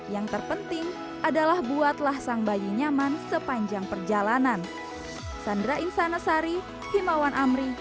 yang terpenting adalah buatlah sang bayi nyaman sepanjang perjalanan